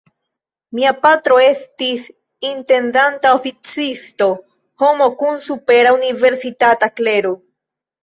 Mia patro estis intendanta oficisto, homo kun supera universitata klero.